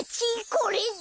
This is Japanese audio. これだ！